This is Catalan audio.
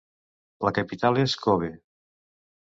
La capital és Kobe.